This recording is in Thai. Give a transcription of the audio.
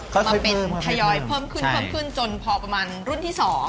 ก็เพิ่มมาเป็นพย้อยเพิ่มจนพอประมาณรุ่นที่๒